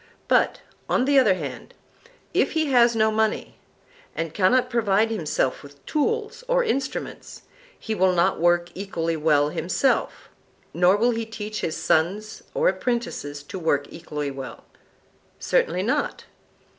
But, on the other hand, if he has no money, and cannot provide himself with tools or instruments, he will not work equally well himself, nor will he teach his sons or apprentices to work equally well. Certainly not.